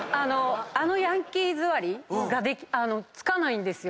あのヤンキー座り着かないんですよ。